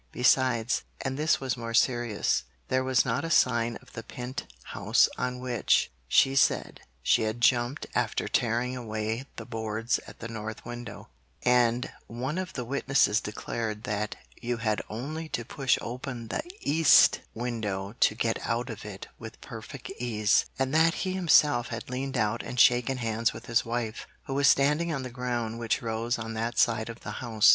Besides, and this was more serious there was not a sign of the pent house on which, she said, she had jumped after tearing away the boards at the north window; and one of the witnesses declared that you had only to push open the east window to get out of it with perfect ease, and that he himself had leaned out and shaken hands with his wife, who was standing on the ground which rose on that side of the house.